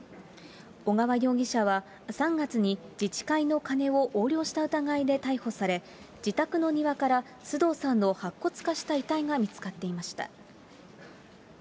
小川容疑者は、３月に自治会の金を横領した疑いで逮捕され、自宅の庭から須藤さんの白骨化した遺体が見つかっていました。